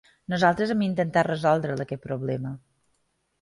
Nosaltres hem intentat resoldre’l, aquest problema.